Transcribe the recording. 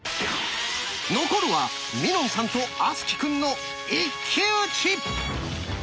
残るはみのんさんと敦貴くんの一騎打ち。